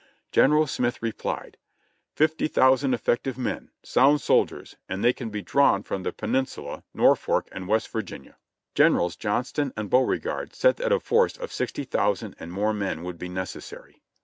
Gen. Smith replied : "Fifty thousand effective men — sound soldiers —• and they can be drawn from the Peninsula, Norfolk and West Vir ginia." Generals Johnston and Beauregard said that a force of sixty thousand and more men would be necessary.